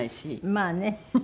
まあね。